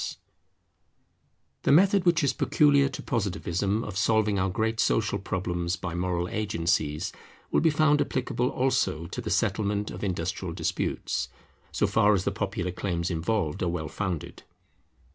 Strikes] The method which is peculiar to Positivism of solving our great social problems by moral agencies, will be found applicable also to the settlement of industrial disputes, so far as the popular claims involved are well founded.